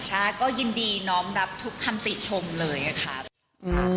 ใช่ก็ยินดีน้อมรับทุกคำติชมเลยค่ะ